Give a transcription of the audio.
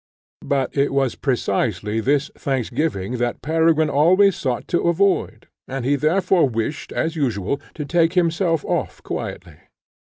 But it was precisely this thanksgiving that Peregrine always sought to avoid, and he therefore wished, as usual, to take himself off quietly.